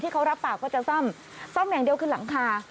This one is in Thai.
เขารับปากว่าจะซ่อมซ่อมอย่างเดียวคือหลังคา